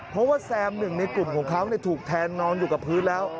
เพราะว่าแซมหนึ่งในกลุ่มของเขาถูกแทงนอนอยู่กับพื้นแล้ว